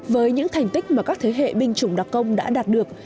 với những thành tích mà các thế hệ binh chủng đặc công đã đạt được